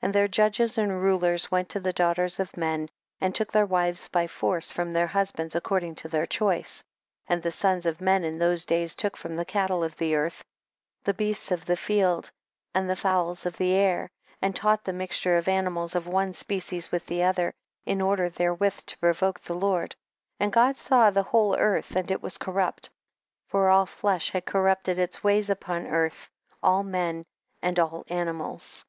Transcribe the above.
18. And their judges and rulers went to the daughters of men and took their wives by force from their husbands according to their choice, and the sons of men in those days •took from the cattle of the earth, the beasts of the field and the fowls of the air, and taught the mixture of animals of one species with the other, in order therewith to provoke the Lord ; and God saw the whole earth and it was corrupt, for all flesh had corrupted its ways upon earth, all men and all animals.